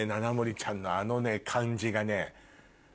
ちゃんのあの感じがね。